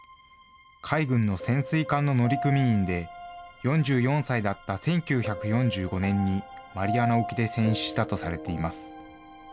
海軍の潜水艦の乗組員で、４４歳だった１９４５年にマリアナ沖で戦死したとされています。